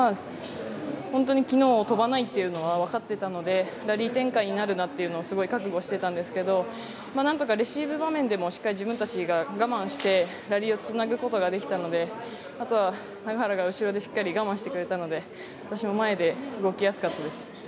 本当に昨日飛ばないというのは分かっていたのでラリー展開になるなと覚悟していたんですが何とかレシーブ場面でもしっかり自分たちが我慢してラリーをつなぐことができたのであとは、永原が後ろでしっかり我慢してくれたので私も前で動きやすかったです。